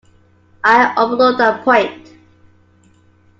I overlooked that point.